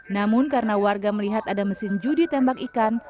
namun karena warga melihat ada mesin judi tembak ikan